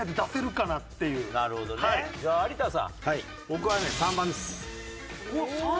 僕はね３番です。